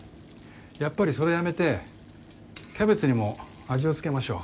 やっぱりそれやめてキャベツにも味をつけましょう。